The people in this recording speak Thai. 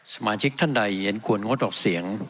สมาชิกท่านใดเห็นควรงดออกเสียง